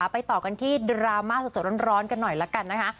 ไปต่อกันที่ดราม่าสดร้อนกันหน่อยละกันนะคะ